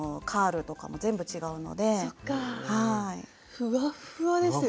ふわっふわですよ。